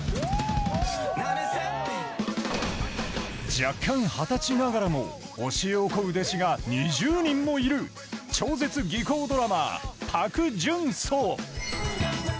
弱冠二十歳ながらも教えを乞う弟子が２０人もいる超絶技巧派ドラマー、パク・ジュンソ。